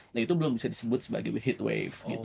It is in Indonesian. nah itu belum bisa disebut sebagai weheat wave gitu